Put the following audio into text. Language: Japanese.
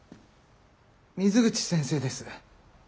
水口先生です。